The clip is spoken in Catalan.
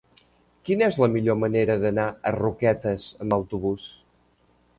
Quina és la millor manera d'anar a Roquetes amb autobús?